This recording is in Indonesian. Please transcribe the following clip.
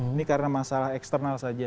ini karena masalah eksternal saja